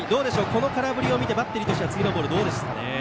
この空振りを見てバッテリーは次のボール、どうですか。